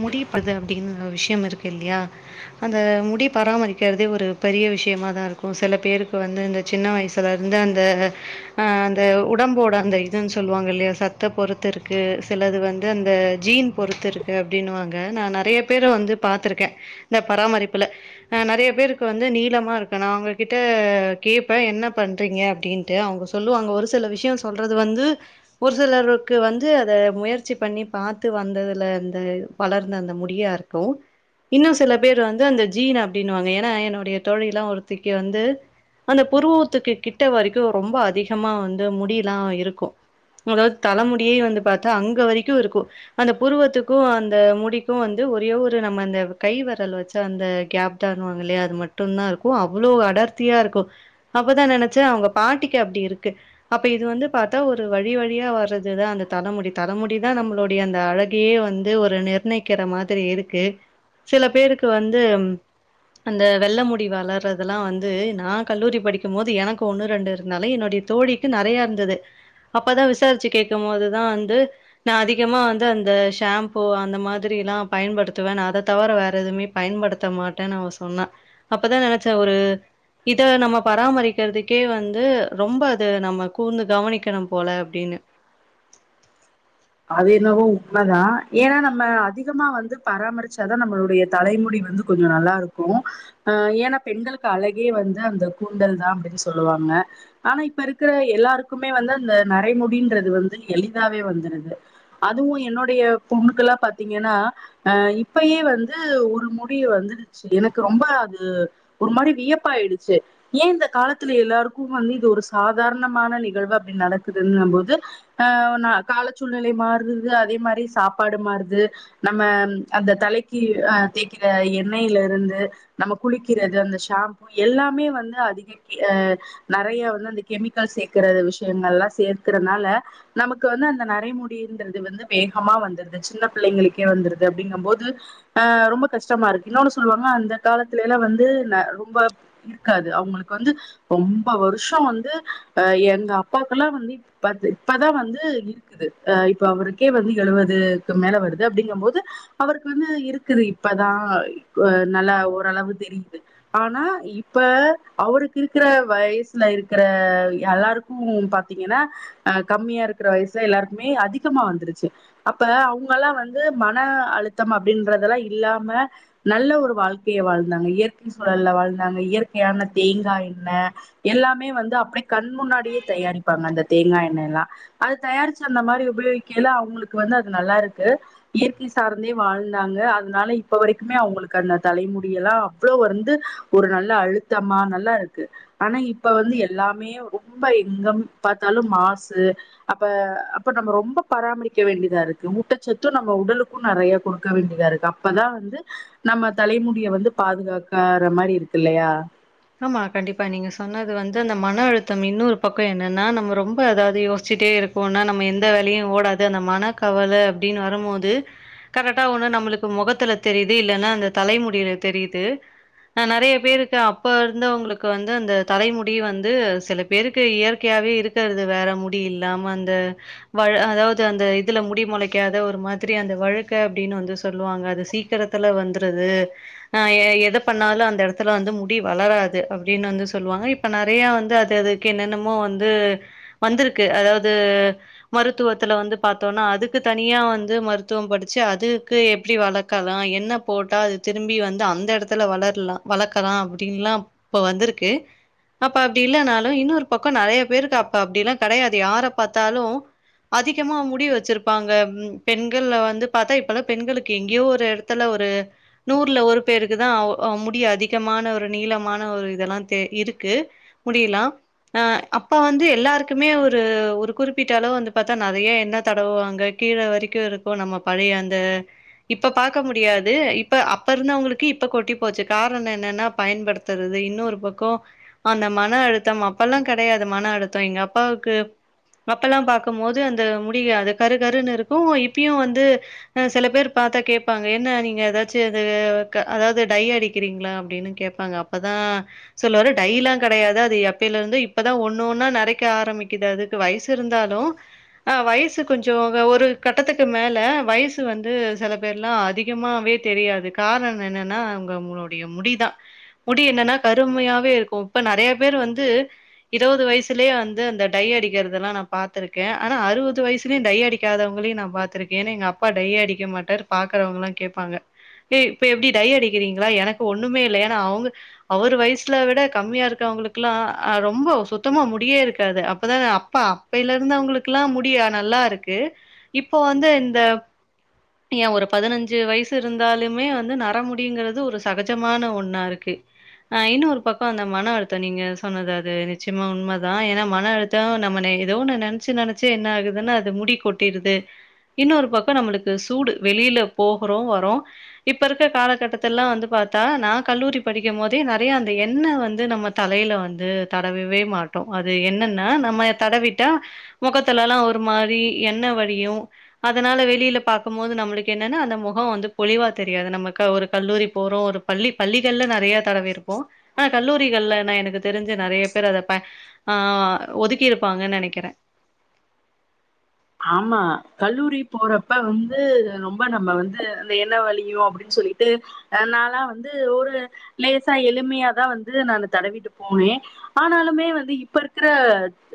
முடிப்பது அப்படினு ஒரு விஷயம் இருக்கு இல்லையா அந்த முடி பராமரிக்கிறதே ஒரு பெரிய விஷியமா தான் இருக்கும் சில பேருக்கு வந்து இந்த சின்ன வயசுல இருந்து அந்த ஆஹ் அந்த உடம்போட அந்த இதுன்னு சொல்லுவாங்க இல்லையா சத்த பொறுத்து இருக்கு சிலது வந்து அந்த ஜுன் பொறுத்து இருக்கு அப்படின்னுவாங்க நான் நெறயா பேர வந்து பாத்துருக்கேன் இந்த பராமரிப்புல ஆஹ் நெறயா பேருக்கு வந்து நீளமா இருக்கு நான் அவங்ககிட்ட கேப்பேன் என்ன பண்றீங்க அப்டின்ட்டு அவங்க சொல்லுவாங்க ஒரு சில விஷியம் சொல்றது வந்து ஒரு சிலருக்கு வந்து அத முயற்சி பண்ணி பாத்து வந்ததுல த இது வளர்ந்த அந்த முடியா இருக்கும் இன்னும் சில பேர் வந்து அந்த ஜீன் அப்டின்னுவாங்க ஏன்னா என்னுடைய தோழில ஒருத்திக்கு வந்து அந்த புருவுத்துக்கு கிட்ட வரைக்கும் ரொம்ப அதிகமா வந்து முடிலாம் இருக்கும் அதாவது தலமுடியே வந்து பாத்தா அங்க வரைக்கும் இருக்கும் அந்த புருவத்து கும் அந்த முடிக்கும் வந்து ஒரே ஒரு நம்ம அந்த கை வெரல் வச்சா அந்த கேப்தானுவாங்க இல்லையா அது மட்டும் தான் இருக்கும் அவ்ளோ அடர்த்தியா இருக்கும் அப்பதான் நெனச்சேன் அவங்க பாட்டிக்கு அப்டி இருக்கு அப்ப இது வந்து பாத்தா ஒரு வழி வழியா வர்றதுதான் அந்த தலமுடி தலமுடி தான் நம்மளுடைய அந்த அழகையே வந்து ஒரு நிர்ணயிக்கிற மாதிரி இருக்கு சில பேருக்கு வந்து அந்த வெள்ள முடி வளர்றதுலாம் வந்து நான் கல்லூரி படிக்கும் மோது எனக்கு ஒண்ணு ரெண்டு இருந்தாலும் என்னுடைய தோழிக்கு நெறயா இருந்தது அப்பதான் விசாரிச்சு கேக்கும் மோதுதான் வந்து நான் அதிகமா வந்து அந்த ஷேம்ப்பு இப்போ அந்த மாதிரிலாம் பயன்படுத்துவன் நா அத தவிர வேற எதுவுமே பயன்படுத்தமாட்டேன்னு அவ சொன்னா அப்பதான் நெனச்சன் ஒரு இத நம்ம பராமரிக்கிறதுக்கே வந்து ரொம்ப அது நம்ம கூர்ந்து கவனிக்கணும் போல அப்டின்னு அது என்னவோ உண்மதான் ஏன்னா நம்ம அதிகமா வந்து பராமரிச்சாதான் நம்மளுடைய தலைமுடி வந்து கொஞ்சம் நல்லா இருக்கும் ஆஹ் ஏன்னா பெண்களுக்கு அழகே வந்து அந்த கூந்தல் தான் அப்டின்னு சொல்லுவாங்க ஆனா இப்ப இருக்கிற எல்லாருக்குமே வந்து அந்த நரைமுடின்றது வந்து எளிதாவே வந்துருது அதுவும் என்னுடைய பொண்ணுக்குலாம் பாத்தீங்கன்னா ஆஹ் இப்பயே வந்து ஒரு முடி வந்துடுச்சு எனக்கு ரொம்ப அது ஒரு மாரி வியப்பாயிடுச்சு ஏன் இந்த காலத்துல எல்லாருக்கும் வந்து இது ஒரு சாதாரணமான நிகழ்வு அப்டின்னு நடக்குதுன்னும்போது ஆஹ் நா காலத்து சூழ்நிலை மாறுது அதே மாரி சாப்பாடு மாறுது நம்ம அந்த தலைக்கு ஆஹ் தேக்கிற எண்ணெயில இருந்து நம்ம குளிக்கிறது அந்த ஷாம்பூ எல்லாமே வந்து அதிக ஹ நெறயா வந்து அந்த கெமிக்கல் சேக்கற விஷயங்கலாம் சேர்க்கறனால நமக்கு வந்து அந்த ந நரைமுடின்றது வந்து வேகமா வந்துருது சின்ன பிள்ளைங்களுக்கே வந்துறுது அப்படிங்கம் போது ஆஹ் ரொம்ப கஷ்டமா இருக்கு இன்னொன்னு சொல்லுவாங்க அந்த காலத்திலலாம் வந்து ந ரொம்ப இருக்காது அவங்களுக்கு வந்து ரொம்ப வருஷம் வந்து எங்க அப்பாக்குல்லாம் வந்து இப்பத் இப்பதான் வந்து இரு க்குது ஆஹ் இப்ப அவருக்கே வந்து எழுவதுக்கு மேல வருது அப்டிங்க போது அவருக்கு வந்து இருக்குது இப்பதான் நல்ல ஓரளவு தெரியுது ஆனா இப்ப அவருக்கு இருக்கிற வயசுல இருக்கிற எல்லாருக்கும் பாத்தீங்கன்னா ஆஹ் கம்மியா இருக்கிற வயசு ல எல்லாருக்குமே அதிகமா வந்துருச்சு அப்ப அவங்கலாம் வந்து மன அழுத்தம் அப்படின்றதெல்லாம் இல்லாம நல்ல ஒரு வாழ்க்கைய வாழ்ந்தாங்க இயற்கை சூழல்ல வாழ்ந்தாங்க இயற்கையான தேங்காய் எண்ணெய் எல்லாமே வந்து அப்டே கண் முன்னாடியே தயாரிப்பாங்க அந்த தேங்கா எண்ணெயலாம் அது தயாரிச்சு அந்த மாரி உபயோகிக்கல அவங்களுக்கு வந்து அது நல்லா இருக்கு இயற்கை சார்ந்தே வாழ்ந்தாங்க அதனால இப்ப வரைக்குமே அவங்களுக்கு அந்த தலைமுடியலாம் அவ்ளோ வந்து ஒரு நல்ல அழுத்தமா நல்லா இருக்கு ஆனா இப்ப வந்து எல்லாமே ரொம்ப எங்கம் பார்த்தாலும் மாசு அப்ப அப்ப நம்ம ரொம்ப பராமரிக்க வேண்டியதா இருக்கு ஊட்டச்சத்தும் நம்ம உடலுக்கும் நெறய குடுக்க வேண்டியதா இருக்கு அப்பதான் வந்து நம்ம தலைமுடிய வந்து பாதுகாக்கற மாரி இருக்கு இல்லையா ஆமா கண்டிப்பா நீங்க சொன்னது வந்து அந்த மன அழுத்தம் இன்னொரு பக்கம் என்னன்னா நம்ம ரொம்ப அதாவது யோசிச்சிட்டே இருக்கோன்னா நம்ம எந்த வேலையும் ஓடாது அந்த மன கவல அப்டின்னு வருமோது கரெக்டா ஒண்ணு நம்மளுக்கு மொகத்துல தெரிது இல்லன்னா அந்த தலைமுடியில தெரியுது ஆஹ் நெறயா பேருக்கு அப் ப்ப இருந்தவங்களுக்கு வந்து அந்த தலைமுடி வந்து சில பேருக்கு இயற்கையாவே இருக்கிறது வேற முடி இல்லாம அந்த வழ அதாவது அந்த இதுல முடி மொளைக்காத ஒரு மாதிரி அந்த வழுக்க அப்டின்னு வந்து சொல்லுவாங்க அது சீக்கிரத்துல வந்துறது ஆஹ் எ எத பண்ணாலும் அந்த எடத்துல வந்து முடி டி வளராது அப்டின்னு வந்து சொல்லுவாங்க இப்ப நெறயா வந்து அது அதுக்கு என்னென்னமோ வந்து வந்துருக்கு அதாவது மருத்துவத்துல வந்து பாத்தோனா அதுக்கு தனியா வந்து மருத்துவம் படிச்சு அதுக்கு எப்டி வளக்கலாம் என்ன போட்டா அது திரும்பி வந்து அந்த எடத்துல வளரலாம் வளக்கலாம் அப் டினுலான் இப்ப வந்துருக்கு அப்ப அப்டி இல்லனாலும் இன்னொரு பக்கம் நெறயா பேருக்கு அப்ப அப்டிலாம் கெடையாது யாரப் பாத்தாலும் அதிகமா முடி வச்சிருப்பாங்க ம் பெண்கள்ள வந்து பாத்தா இப்பல்லாம் பெண்களுக்கு எங்கேயோ ஒரு எடத்துல ஒரு நூறுல ஒரு பேருக்கு தான் ஆவு ஆஹ் முடி அதிகமான ஒரு ரு நீளமான ஒரு இதெல்லாம் தெ இருக்கு முடியிலாம் ஆஹ் அப்ப வந்து எல்லாருக்குமே ஒரு ஒரு குறிப்பிட்ட அளவு வந்து பாத்தா நெறய என்ன தடவுவாங்க கீழ வரைக்கும் இருக்கும் நம்ம பழைய அந்த இப்ப பாக்க முடியாது இப்ப அப்ப இருந்தவங்களுக்கு இப்ப கொட்டி போச்சு காரணம் என்னன்னா பயன்படுத்துறது இன்னொரு பக்கம் அந்த மன அழுத்தம் அப்பெல்லாம் கெடயாது மன அழுத்தம் எங்க அப்பாவுக்கு அப்பல்லாம் பாக்கும்மோது அந்த முடி அது கரு கருன்னு இருக்கும் இப்பியும் வந்து சில பேர் பாத்தா கேப்பாங்க என்ன நீங்க எதாச்சும் இதுவே அ அதாவது டைய் அடிக்கிறீங்களா அப்டின்னு கேப் ப்பாங்க அப்பதான் சொல்லுவாரு டைய்லாம் கெடயாது அது எப்பில இருந்து இப்பதான் ஒண்ணு ஒன்னா நறைக்க ஆரம்மிக்குது அதுக்கு வயசு இருந்தாலும் ஆஹ் வயசு கொஞ்சம் ஒரு கட்டத்துக்கு மேல வயசு வந்து செல பேர்லாம் அதிகமாவே தெரியாது காரணம் என்னன்னா அவங்க அவங்களோடைய முடிதான் முடி என்னன்னா கருமையாவே இருக்கும் இப்ப நெறயா பேர் வந்து இருவது வயசுலயே வந்து அந்த டைய் அடிக்கிறதுலாம் நான் பாத்திருக்கேன் ஆனா அறுவது வயசுலயும் டைய் அடிக்காதவங்களையும் நான் பாத்திருக்கேன் ஏன்னா எங்க அப்பா டையே அடிக்க மாட்டார் பாக்குறவங்கலாம் கேப்பாங்க ஏ இப்ப எப்டி டைய் அடிக்கிறீங்களா எனக்கு ஒண்ணுமே இல்லையா நா அவுங்க அவரு வயசுல விட கம்மியா இருக்கவங்களுக்குலா ஆ ரொம்ப சுத்தமா முடியே இருக்காது அப்பதா நா அப்பா அப்பேலே இருந்து அவுங்களுக்குலா முடியா நல்லா இருக்கு இப்போ வந்து இந்த ஏயா ஒரு பதினஞ்சு வயசு இருந்தாலுமே வந்து நர முடியுங்கிறது ஒரு சகஜமான ஒன்னு னா இருக்கு ஆஹ் இன்னொரு பக்கோ அந்த மன அழுத்தம் நீங்க சொன்னது அது நிச்சயமா உண்மதா ஏன்னா மன அழுத்தோ நம்ம ஏத ஒன்னு நெனச்சு நெனச்சு என்ன ஆகுதுன்னா அது முடி கொட்டிடுது இன்னொரு பக்கோ நம்மளுக்கு சூடு வெளியில போகுறோ வரோ இப்ப இருக்க காலகட்டத்துலா வந்து பாத்தா நா கல்லூரி படிக்கும் போதே நெறையா அந்த எண்ண வந்து நம்ம தலையில வந்து தடவவே மாட்டோ அது என்னன்னா நம்ம தடவிட்டா மொகத்துலலாம் ஒரு மாரி எண்ண வழியும் அதனால வெளியில பாக்கும்மோது நம்மளுக்கு என்னன்னா அந்த மொகம் வந்து பொலிவா தெரியாது நமக்கா ஒரு கல்லூரி போறோ ஒரு பள்ளி பள்ளிகள்ல நா நெறையா தடவி இருப்போ ஆனா கல்லூரிகள்ல நா எனக்கு தெரிஞ்ச நெறைய பேர் அத ஆஹ் ஒதுக்கி இருப்பாங்கன்னு நெனைக்கிறே ஆமா கல்லூரி போறப்ப வந்து ரொம்ப நம்ம வந்து இந்த எண்ண வழியு அப்டின்னு சொல்லிட்டு ஆஹ் நாலா வந்து ஒரு லேசா எளிமையாதா வந்து நானு தடவிட்டு போனே ஆனாலுமே வந்து இப்ப இருக்குற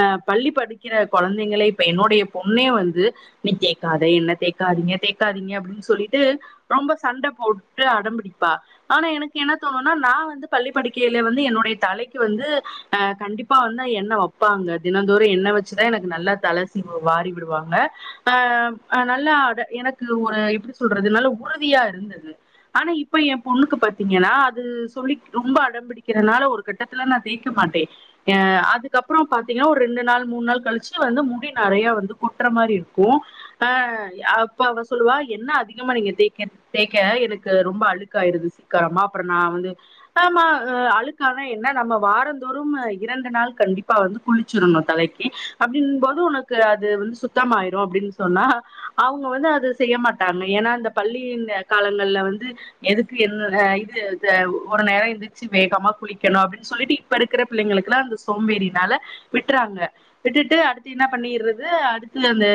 ஆஹ் பள்ளி படிக்கிற கொழந்திங்களே இப்ப என்னுடைய பொண்ணே வந்து நீ தேக்காத எண்ண தேக்காதீங்க தேக்காதீங்க அப்டின்னு சொல்லிட்டு ரொம்ப சண்ட போட்டு அடம்பிடிப்பா ஆனா எனக்கு என்ன தோணும்னா நா வந்து பள்ளி படிக்கையில வந்து என்னுடைய தலைக்கு வந்து ஆஹ் கண்டிப்பா வந்து எண்ண வப்பாங்க தினந்தோறும் எண்ண வெச்சுதா எனக்கு நல்லா தல சீவு வாரி விடுவாங்க ஆஹ் நல்லா அட எனக்கு ஒரு எப்டி சொல்றது நல்ல உறுதியா இருந்தது ஆனா இப்ப என் பொண்ணுக்கு பாத்தீங்கன்னா அது சொல்லிக் ரொம்ப அடம்பிடிக்கிறதுனால ஒரு கட்டத்துல நா தேய்க மாட்டே ஆஹ் அதுக்கப்புறோ பாத்தீங்கன்னா ஒரு ரெண்டு நாள் மூணு நாள் கழிச்சு வந்து முடி நறையா வந்து கொட்டுற மாரி இருக்கோ ஆஹ் அப்போ அவ சொல்லுவா எண்ண அதிகமா நீங்க தேக்க தேக்க எனக்கு ரொம்ப அழுக்காயிடுது சீக்கிரமா அப்புறோ நா வந்து ஆமா அழுக்கானா என்ன நம்ம வாரந்தோறும் இரண்டு நாள் கண்டிப்பா வந்து குளிச்சிடணும் தலைக்கு அப்டின்னும் போது உனக்கு க்கு அது வந்து சுத்தமாயிரு அப்டின்னு சொன்னா அவுங்க வந்து அது செய்ய மாட்டாங்க ஏன்னா அந்த பள்ளி காலங்கள்ல வந்து எதுக்கு என்ன இது இது ஒ ஒரு நேரோ எந்திரிச்சி வேகமா குளிக்கணு அப்டின்னு சொல்லிட்டு இப்ப இருக்கற பிள்ளைங்களுக்குலாம் அந்த சோம்பேறினால விட்டுறாங்க விட்டுட்டு அடுத்து என்ன பண்ணிறது அடுத்து அந்த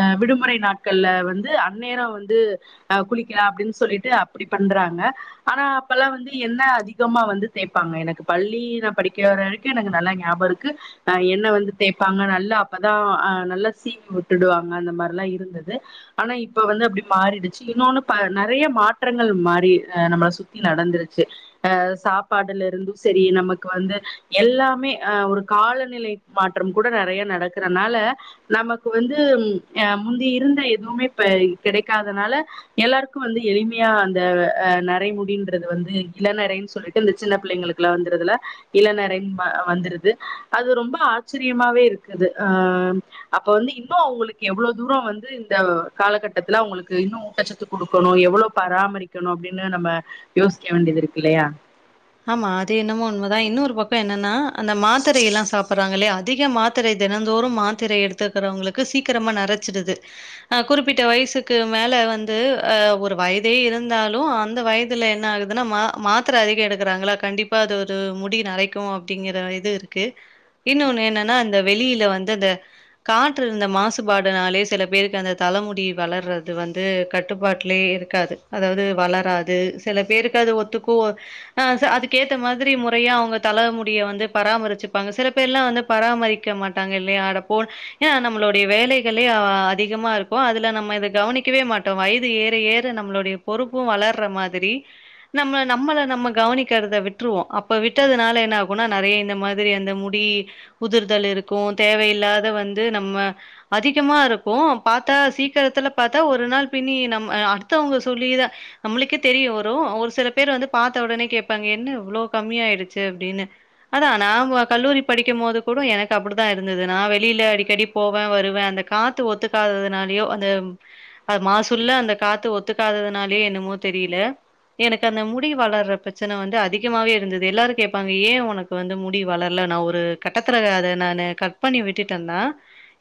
ஆஹ் விடுமுறை நாட்கள்ல வந்து அந்நேரோ வந்து் ஆஹ் குளிக்கலாம் அப்டின்னு சொல்லிட்டு அப்படி பண்றாங்க ஆனா அப்பல்லாம் வந்து எண்ண அதிகமா வந்து தேப்பாங்க எனக்கு பள்ளி நா படிக்கிற வரவரைக்கோ எனக்கு நல்ல ஞாபோ இருக்கு ஆஹ் எண்ண வந்து தேப்பாங்க நல்ல அப்பதா ஆஹ் நல்லா சீவி உட்டுடுவாங்க அந்த மாரிலா இருந்தது ஆனா இப்ப வந்து அப்டி மாறிடுச்சு இன்னொன்னு பா நறையா மாற்றங்கள் மாறி ஹ நம்மள சுத்தி நடந்துருச்சு ஆஹ் சாப்பாடுல இருந்தும் செரி நமக்கு வந்து எல்லாமே ஹ ஒரு காலநிலை மாற்றம் கூட நெறையா நடக்கு இருக்கறனால நமக்கு வந்து ம் ஆஹ் முந்தி இருந்த எதுவுமே இப்ப கிடைக்காதனால எல்லாருக்கும் வந்து எளிமையா அந்த ஹ நறை முடின்றது வந்து இளநறைன்னு சொல்லிட்டு இந்த சின்ன பிள்ளைங்களுக்குல வந்துறதுல்ல இளநறை வந்துருது அது ரொம்ப ஆச்சரியமாவே இருக்குது ஆஹ் அப்ப வந்து இன்னு அவுங்களுக்கு எவ்ளோ தூரோ வந்து இந்த காலகட்டத்துல அவுங்களுக்கு இன்னு ஊட்டச்சத்து குடுக்கணு எவ்ளோ பராமரிக்கணு அப்டின்னு நம்ம யோசிக்க வேண்டியது இருக்கு இல்லையா ஆமா அது என்னமோ உண்மதா இன்னொரு பக்கோ என்னன்னா அந்த மாத்திரையெல்லா சாப்புட்றாங்க இல்லையா அது அதிக மாத்திரை தினந்தோறும் மாத்திரை எடுத்துக்கிறவங்களுக்கு சீக்கிரமா நரைச்சிடுது ஆஹ் குறிப்பிட்ட வயசுக்கு மேல வந்து ஆஹ் ஒரு வயதே இருந்தாலும் அந்த வயதுல என்ன ஆகுதுன்னா மா மாத்திர அதிக எடு கறாங்கலா கண்டிப்பா அது ஒரு முடி நறைக்கும் அப்படிங்கிற இது இருக்கு இன்னொன்னு என்னன்னா அந்த வெளியில வந்து அந்த காற்று இந்த மாசுபாடுனாலே சில பேருக்கு அந்த தலைமுடி வளர்றது வந்து கட்டுப்பாட்லயே இருக்காது அதாவது வளராது சில பேருக்கு அது ஒத்துக்கும் ஒ ஆஹ் ச அதுக்கேத்த மாதிரி முறையா அவுங்க தல முடிய வந்து பராமரிச்சுப்பாங்க சில பேர்லாம் வந்து பராமரிக்க மாட்டாங்க இல்லையா அடப்போ ஏ நம்மளுடைய வேலைகளே ஆ அதிகமா இருக்கோ அதுல நம்ம இத கவனிக்கவே மாட்டோம் வயது ஏற ஏற நம்மளுடைய பொறுப்பும் வளர்ற மாதிரி நம்ம நம்மள நம்ம கவனிக்கிறத விட்டுருவோ அப்போ விட்டதுனால என்ன ஆகுனா நறைய இந்த மாதிரி அந்த முடி உதிர்தல் இருக்கோ தேவையில்லாத வந்து நம்ம அதிகமா இருக்கோ பாத்தா சீக்கிரத்துல பாத்தா ஒரு நாள் பின்னி நம்ம அடுத்தவங்க சொல்லிதா நம்மளுக்கே தெரியு வரோ ஒரு சில பேர் வந்து பாத்த உடனே கேப்பாங்க என்ன இவ்வளோ கம்மியாயிடுச்சு அப்டின்னு ஆனா நாம கல்லூரி படிக்கும் போது கூட எனக்கு அப்படித்தா இருந்தது நா வெளியில அடிக்கடி போவே வருவே அந்த காத்து ஒத்துக்காததுனாலயோ அந்த மாசுல்ல அந்த காத்து ஒத்துக்காததுனாலயோ என்னமோ தெரியல எனக்கு அந்த முடி வளர்ற பிர பிரச்சன வந்து அதிகமாவே இருந்தது எல்லாரும் கேட்பாங்க ஏன் உனக்கு வந்து முடி வளர்ல நா ஒரு கட்டத்துல அத நானு கட் பண்ணி விட்டுட்டேந்தா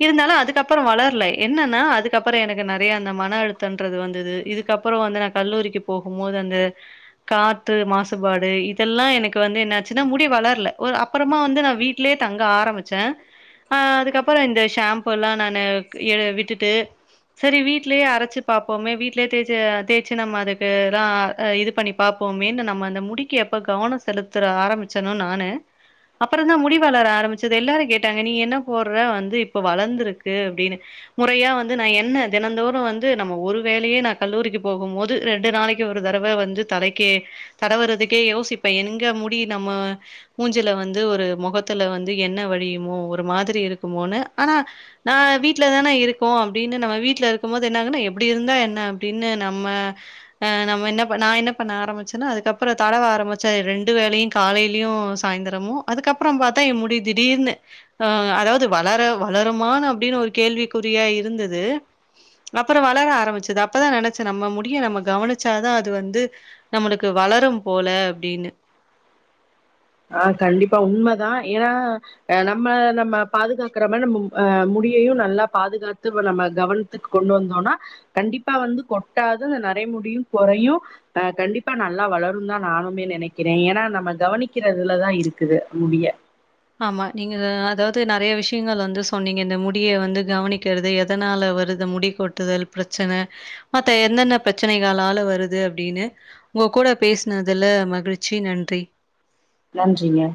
இருந்தாலும் அதுக்கப்புறம் வளர்ல என்னன்னா அதுக்கப்புறோ எனக்கு நெறைய அந்த மன அழுத்தன்றது வந்தது இதுக்கப்புறோ வந்து நா கல்லூரிக்கு போகும் போது அந்த காத்து மாசு பாடு இதெல்லா எனக்கு வந்து என்னச்சுன்னா முடி வளர்ல ஓ அப்புறமா வந்து நான் வீட்லயே தங்க ஆரம்பிச்சேன் ஆ அதுக்கப்புறோ இந்த ஷாம்பு எல்லா நானு எ விட்டுட்டு செரி வீட்லயே அரைச்சு பார்ப்போமே வீட்ல தே தேச்சு நம்ம அதுக்கு ஹ இதுபண்ணி பாப்போமே நம்ம அந்த மு முடிக்க எப்ப கவனம் செலுத்த ஆரம்பிச்சோணோ நானு அப்புற தான் முடி வளர ஆரம்பிச்சது எல்லாரும் கேட்டாங்க நீ என்ன போடுற வந்து இப்ப வளர்ந்துருக்கு அப்படின்னு முறையா வந்து நான் எண்ணெ தினந்தோறும் வந்து நம்ம ஒரு வேலையே நான் கல்லூரிக்கு போகும் ரெண்டு நாளைக்கு ஒரு தடவை வந்து தலைக்கே தடவுறதுக் அப்படியே யோசிப்பேன் எங்க முடி நம்ம மூஞ்சில வந்து ஒரு முகத்துல வந்து எண்ணெ வழியுமோ ஒரு மாதிரி இருக்குமோனு ஆனா நான் வீட்டுல தானே இருக்கோம் அப்படின்னு நம்ம வீட்டுல இருக்கும் போது என்னாகும்னா எப்படி இருந்தா என்ன அப்படின்னு நம்ம நம்ம என்ன நான் என்ன பண்ண ஆரம்பிச்சேன்னோ அதுக்கப்புறோ டீ தடவ ஆரம்பிச்சா ரெண்டு வேலையும் காலையிலயும் சாய்ந்திரமும் அதுக்கப்புறம் பார்த்தா என் முடி திடீர்னு அஹ் அதாவது வளர வளருமான அப்படின்னு ஒரு கேள்விக்குறியா இருந்தது அப்புறோ வளர ஆரம்பிச்சது அப்பதான் நெனைச்சே நம்ம முடிய நம்ம கவனிச்சாதான் அது வந்து நம்மளுக்கு வளரும் போல அப்படின்னு ஆஹ் கண்டிப்பா உண்மைதான் ஏன்னா அஹ் நம்ம நம்ம பாதுகாக்கற மாதிரி நம்ம அஹ் முடியையும் நல்லா பாதுகாத்து நம்ம கவனத்துக்கு கொண்டு வந்தோம்னா கண்டிப்பா வந்து கொட்டாது நரைமுடியும் குறையும் அஹ் கண்டிப்பா நல்லா வளரும் தான் நானுமே நினைக்கிறேன் ஏன்னா நம்ம கவனிக் வக்கிறதுலதான் இருக்குது முடிய ஆமா நீங்க அதாவது நிறைய விஷயங்கள் வந்து சொன்னீங்க இந்த முடிய வந்து கவனிக்கிறது எதனால வருது முடி கொட்டுதல் பிரச்சனை மத்த என்னென்ன பிரச்சனைகளால வருது அப்படின்னு உங்க கூட பேசினதுல மகிழ்ச்சி நன்றி நன்றிங்க